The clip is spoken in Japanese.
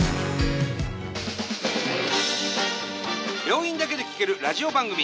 病院だけで聴けるラジオ番組。